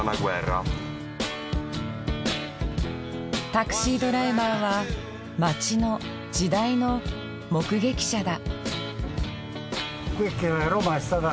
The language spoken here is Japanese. タクシードライバーは街の時代の目撃者だ。